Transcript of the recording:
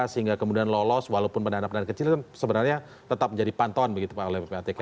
sehingga kemudian lolos walaupun pendana pendanaan kecil sebenarnya tetap menjadi pantauan begitu pak oleh ppatk